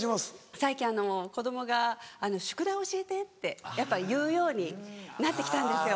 最近子供が「宿題教えて」ってやっぱ言うようになって来たんですよ。